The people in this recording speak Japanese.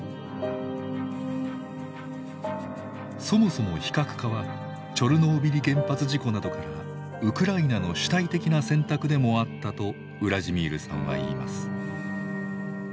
そもそも非核化はチョルノービリ原発事故などからウクライナの主体的な選択でもあったとウラジミールさんは言います。